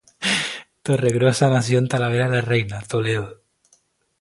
Torregrosa nació en Talavera de la Reina, Toledo.